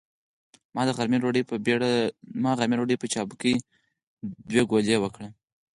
ما د غرمۍ ډوډۍ په بېړه دوې ګولې وکړې.